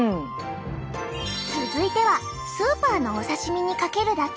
続いてはスーパーのお刺身にかけるだけ！